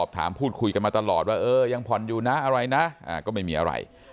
ถามพูดคุยกันมาตลอดว่าเออยังผ่อนอยู่นะอะไรนะก็ไม่มีอะไร